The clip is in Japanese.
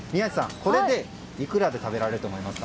これでいくらで食べられると思いますか？